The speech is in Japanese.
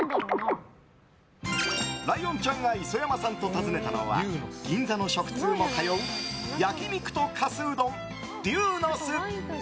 ライオンちゃんが磯山さんと訪ねたのは銀座の食通も通う焼肉とかすうどん龍の巣。